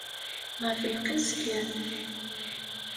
Ɣef lqis kan.